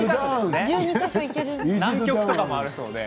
南極とかもあるので。